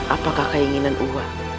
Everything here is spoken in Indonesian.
apakah keinginan uang